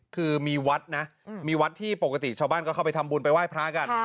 คือมีวัดนะมีวัดที่ปกติชาวบ้านก็เข้าไปทำบุญไปไหว้พระกัน